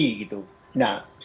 nah syaratnya adalah